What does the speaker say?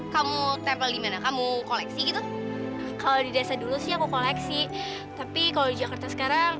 kamu tempel gimana kamu koleksi itu kalau di desa dulu sih aku koleksi tapi kalau jakarta sekarang